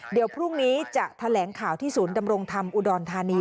เดี๋ยวพรุ่งนี้จะแถลงข่าวที่ศูนย์ดำรงธรรมอุดรธานี